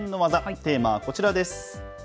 テーマはこちらです。